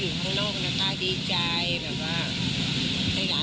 ค่ะค่ะคือมีคนไปช่วยทุกหน่วยไปช่วยทุกคนแล้วนะคะช่วยถึงแล้ว